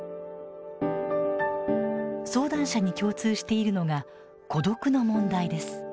相談者に共通しているのが孤独の問題です。